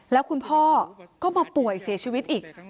แล้วคุณพ่อก็มาป่วยเสียชีวิตอีก